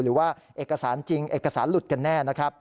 หรือว่าเอกสารจริงเอกสารหลุดกันแน่นะครับ